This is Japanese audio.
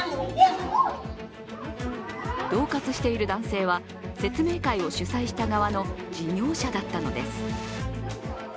どう喝している男性は説明会を主催した側の事業者だったのです。